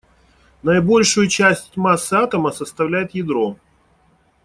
Наибольшую часть массы атома составляет ядро.